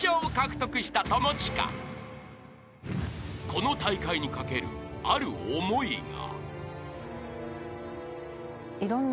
［この大会にかけるある思いが］